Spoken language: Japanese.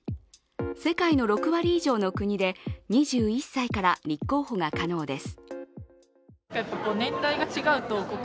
世界の６割以上の国で２１歳から立候補が可能です。